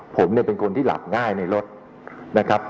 ผมเนี่ยเป็นคนที่หลับง่ายในรถนะครับ